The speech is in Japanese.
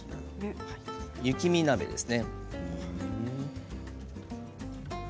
雪見鍋ですね。